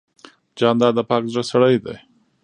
جانداد د پاک زړه سړی دی.